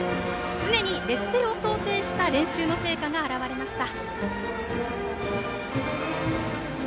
常に劣勢を想定した練習の成果が表れました。